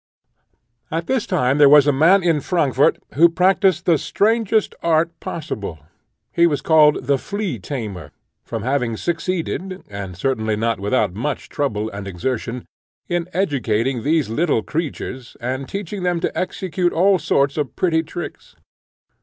At this time there was a man in Frankfort, who practised the strangest art possible. He was called the flea tamer, from having succeeded and certainly not without much trouble and exertion in educating these little creatures, and teaching them to execute all sorts of pretty tricks.